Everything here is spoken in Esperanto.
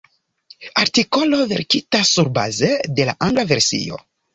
Artikolo verkita surbaze de la angla versio.